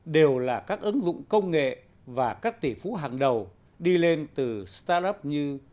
đều là các ứng dụng công nghệ và các tỷ phú hàng đầu đi lên từ start up như